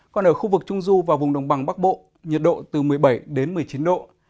còn ở khu vực trung du và vùng đồng bằng bắc bộ nhiệt độ từ một mươi bảy đến một mươi chín độ